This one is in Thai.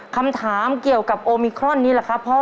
คำถามเกี่ยวกับโอมิครอนนี้แหละครับพ่อ